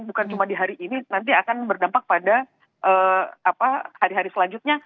bukan cuma di hari ini nanti akan berdampak pada hari hari selanjutnya